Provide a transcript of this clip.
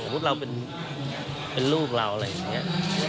สมมุติเราเป็นลูกเราอะไรอย่างเงี้ย